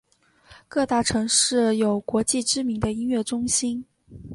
各大城市有国际知名的音乐中心。